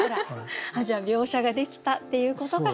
じゃあ描写ができたっていうことかしら。